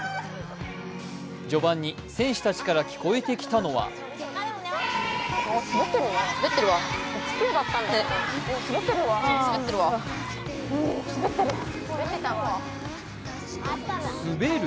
序盤に選手たちから聞こえてきたのは滑る？